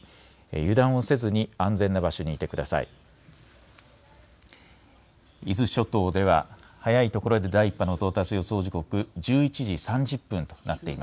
油断をせずに安全な場所にいてください。